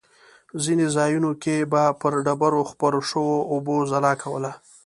ځینې ځایونو کې به پر ډبرو خپرو شوو اوبو ځلا کوله.